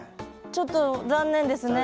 ちょっと残念ですね